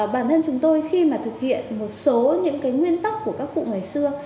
bản thân chúng tôi khi mà thực hiện một số những cái nguyên tắc của các cụ ngày xưa